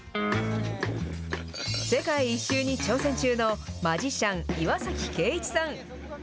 世界一周に挑戦中のマジシャン、岩崎圭一さん。